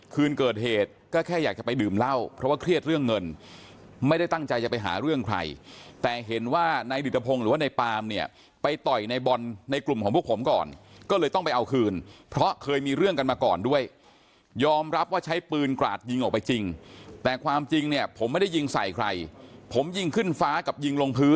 คืนเกิดเหตุก็แค่อยากจะไปดื่มเหล้าเพราะว่าเครียดเรื่องเงินไม่ได้ตั้งใจจะไปหาเรื่องใครแต่เห็นว่านายดิตภงหรือว่าในปามเนี่ยไปต่อยในบอลในกลุ่มของพวกผมก่อนก็เลยต้องไปเอาคืนเพราะเคยมีเรื่องกันมาก่อนด้วยยอมรับว่าใช้ปืนกราดยิงออกไปจริงแต่ความจริงเนี่ยผมไม่ได้ยิงใส่ใครผมยิงขึ้นฟ้ากับยิงลงพื้น